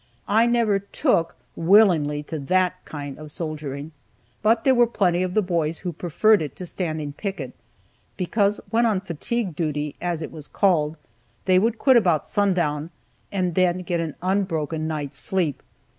I never "took" willingly to that kind of soldiering. But there were plenty of the boys who preferred it to standing picket, because when on fatigue duty, as it was called, they would quit about sundown, and then get an unbroken night's sleep.